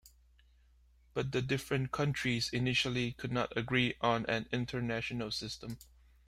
But the different countries initially could not agree on an international system.